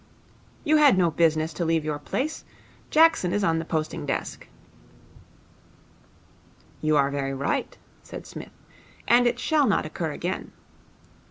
'You had no business to leave your place. Jackson is on the posting desk.' 'You are very right,' said Psmith, 'and it shall not occur again.